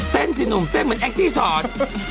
เต้นพี่หนุ่มเต้นเหมือนแอคที่สอน